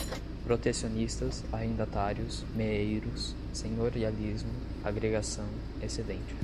protecionistas, arrendatários, meeiros, senhorialismo, agregação, excedente